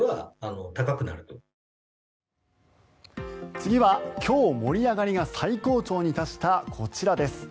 次は今日、盛り上がりが最高潮に達したこちらです。